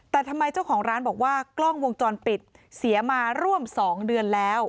แต่ทำไมเจ้าของร้านบอกว่ากล้องวงจรปิดเสียมาร่วม๒เดือนแล้ว